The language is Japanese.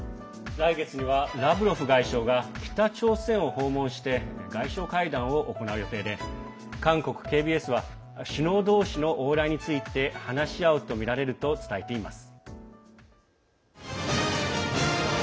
来月にはラブロフ外相が北朝鮮を訪問して外相会談を行う予定で韓国ＫＢＳは首脳同士の往来について話し合うとみられると伝えています。